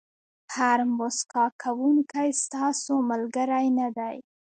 هر موسکا کوونکی ستاسو ملګری نه دی.